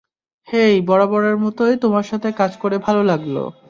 হেই, বরাবরের মতোই তোমার সাথে কাজ করে ভালো লাগলো।